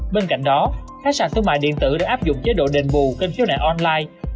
bên cạnh đó các sản thương mại điện tử đã áp dụng chế độ đền bù kênh khiếu nại online